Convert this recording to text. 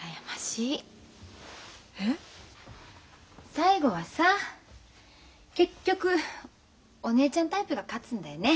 最後はさ結局お姉ちゃんタイプが勝つんだよね。